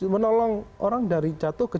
menolong orang dari jatuh ke